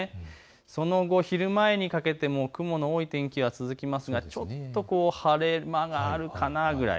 その後、昼前にかけても雲の多い天気が続きますがちょっと晴れ間があるかなくらい。